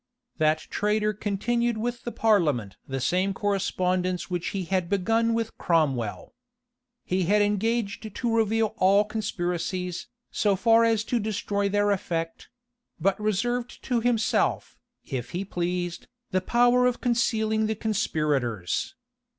That traitor continued with the parliament the same correspondence which he had begun with Cromwell. He had engaged to reveal all conspiracies, so far as to destroy their effect; but reserved to himself, if he pleased, the power of concealing the conspirators.